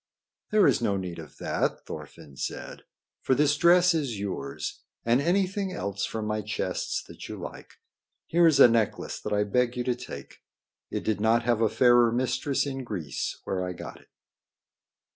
"There is no need of that," Thorfinn said, "for this dress is yours and anything else from my chests that you like. Here is a necklace that I beg you to take. It did not have a fairer mistress in Greece where I got it."